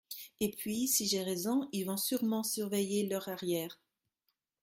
Et puis si j’ai raison ils vont sûrement surveiller leurs arrières.